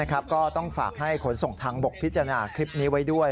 ก็ต้องฝากให้ขนส่งทางบกพิจารณาคลิปนี้ไว้ด้วย